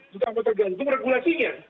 tak amat tergantung regulasinya